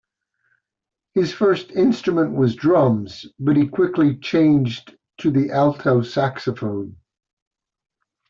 His first instrument was drums, but he quickly changed to the alto saxophone.